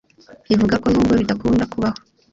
ivuga ko nubwo bidakunda kubaho